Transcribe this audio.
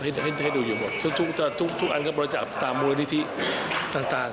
ให้ให้ให้ดูอยู่หมดทุกทุกทุกทุกอันก็บริจาปตามมูลนิธิต่าง